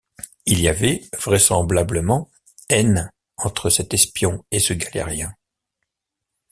Il y avait, vraisemblablement, haine entre cet espion et ce galérien.